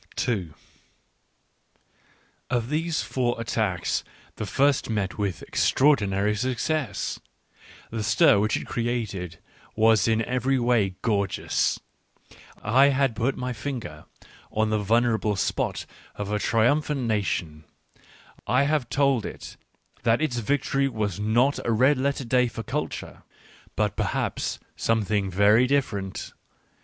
... Digitized by Google WHY I WRITE SUCH EXCELLENT BOOKS 77 Of these four attacks, the first met with extra ordinary success. The stir which it created was in every way gorgeous. I had put my finger on the vulnerable spot of a triumphant nation — I had told it that its victory was not a red letter day for culture, but, perhaps, something very different.